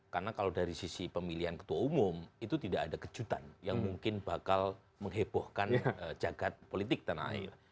karena kalau dari sisi pemilihan ketua umum itu tidak ada kejutan yang mungkin bakal menghebohkan jagad politik tenaga